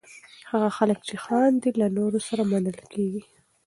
هغه خلک چې خاندي، له نورو سره منل کېږي.